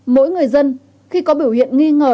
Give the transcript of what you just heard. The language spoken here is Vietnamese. mỗi người dân khi có biểu hiện nghi ngờ